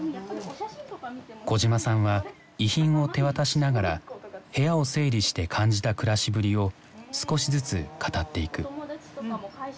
小島さんは遺品を手渡しながら部屋を整理して感じた暮らしぶりを少しずつ語っていく。